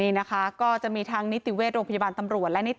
นี่นะคะก็จะมีทางนิติเวชโรงพยาบาลตำรวจและนิท